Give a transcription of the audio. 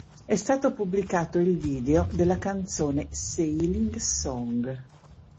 È stato pubblicato il video della canzone "Sailing song".